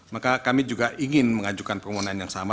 maka kami juga ingin mengajukan permohonan yang sama